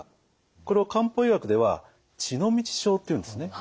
これを漢方医学では血の道症っていうんですね。